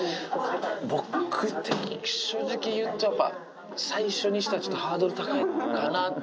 僕的には正直言うと、やっぱり、最初にしては、ちょっとハードル高いかなって。